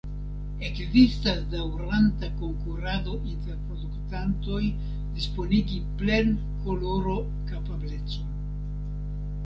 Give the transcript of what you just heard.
Ekzistas daŭranta konkurado inter produktantoj disponigi plen-kolorokapablecon.